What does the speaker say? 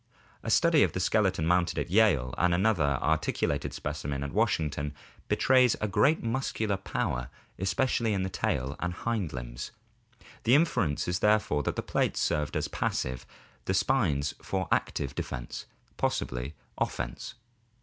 A study of the skeleton mounted at Yale and another articulated specimen at Washington betrays great muscular power especially in the tail and hind limbs. The inference is therefore that the plates served for passive, the spines for active defense, possibly offense.